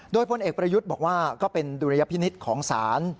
โดยพลเอกประยุทธ์บอกว่าก็เป็นดุลยพินิษฐ์ของศาล